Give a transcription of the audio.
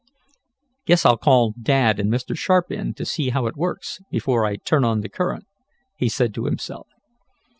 "Guess I'll call Dad and Mr. Sharp in to see how it works, before I turn on the current," he said to himself.